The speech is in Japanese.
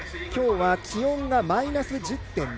今日は、気温がマイナス１０．７度。